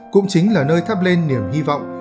cũng chính là nơi thắp lên niềm hy vọng